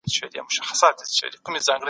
د روزګار فرصتونو رامنځته کول مهم دي.